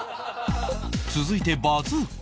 続いてバズーカ